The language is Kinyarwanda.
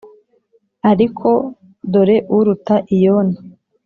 Ariko dore uruta i yona